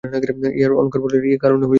ইহাকে অহঙ্কার বলা যায় না, কারণ উহা ভেদাত্মক।